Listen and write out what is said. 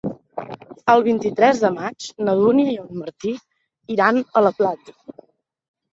El vint-i-tres de maig na Dúnia i en Martí iran a la platja.